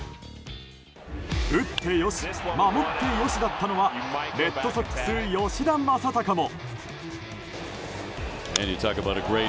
打って良し守って良しだったのはレッドソックス、吉田正尚も。